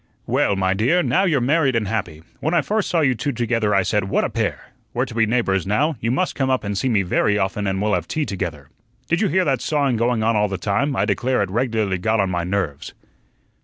"Well, my dear, now you're married and happy. When I first saw you two together, I said, 'What a pair!' We're to be neighbors now; you must come up and see me very often and we'll have tea together." "Did you hear that sawing going on all the time? I declare it regularly got on my nerves."